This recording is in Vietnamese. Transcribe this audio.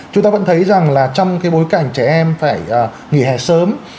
chúng ta vẫn thấy rằng là trong cái bối cảnh trẻ em phải nghỉ hè sớm